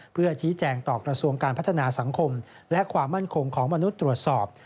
เพื่อชี้แจงต่อกระทรวงการพัฒนาสังคมและความมั่นคงของมนุษย์ตรวจสอบ